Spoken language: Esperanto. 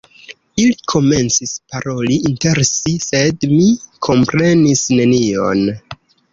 Ili komencis paroli inter si, sed mi komprenis nenion.